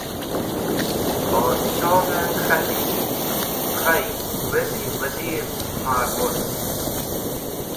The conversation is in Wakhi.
Podhshohe k̃hati: Khay, wezi Wazir ma’r woc.